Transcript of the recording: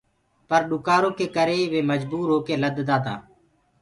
پر ڏُڪآرو ڪي ڪري وي مجبوٚر هوڪي لدتآ تا۔